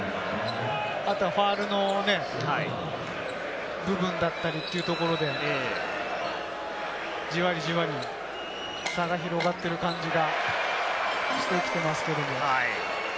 あとはファウルのね、部分だったりというところで、じわりじわり差が広がっている感じがしてきてます。